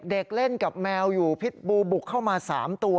เด็กเล่นกับแมวอยู่พิษบูบุกเข้ามา๓ตัว